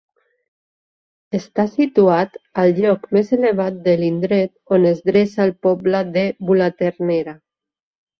Està situat al lloc més elevat de l'indret on es dreça el poble de Bulaternera.